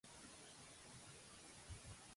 Què van fer amb els fumalls?